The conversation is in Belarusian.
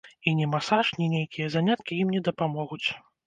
І ні масаж, ні нейкія заняткі ім не дапамогуць.